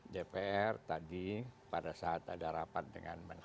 dpr tadi pada saat ada rapat dengan menko